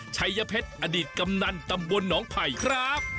ชัยเพชรอดีตกำนันตำบลหนองไผ่ครับ